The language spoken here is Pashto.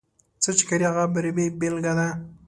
څه چې کرې، هغه به رېبې بېلګه ده.